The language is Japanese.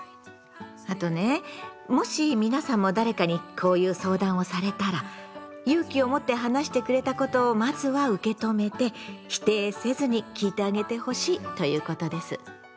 あとねもし皆さんも誰かにこういう相談をされたら勇気を持って話してくれたことをまずは受け止めて否定せずに聞いてあげてほしいということです。